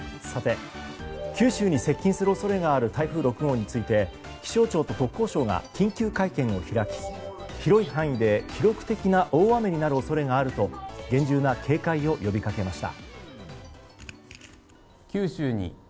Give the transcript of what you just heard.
九州に接近する恐れがある台風６号について気象庁と国交省が緊急会見を開き広い範囲で記録的な大雨になる恐れがあると厳重な警戒を呼びかけました。